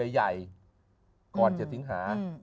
ใหญ่ก่อน๗สิงหา